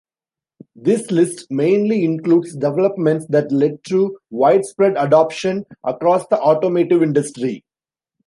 This list mainly includes developments that led to widespread adoption across the automotive industry.